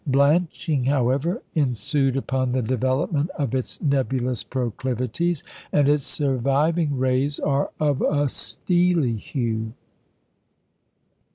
Blanching, however, ensued upon the development of its nebulous proclivities; and its surviving rays are of a steely hue.